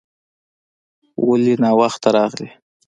ولې ناوخته راغلې ؟